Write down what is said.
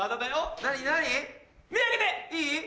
いい？